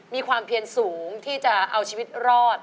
มีความเพียนสูงที่จะเอาชีวิตรอด